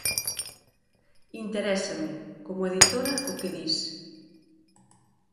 Interésame, como editora, o que dis.